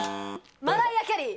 マライア・キャリー。